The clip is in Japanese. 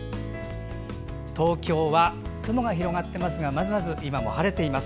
東京は雲が広がっていますがまずまず今も晴れています。